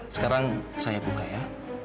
sekarang saya buka ya